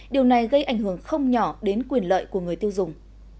điều này gây ảnh hưởng không nhỏ đến quyền lợi của người tiêu dùng